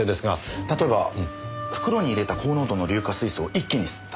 例えば袋に入れた高濃度の硫化水素を一気に吸った。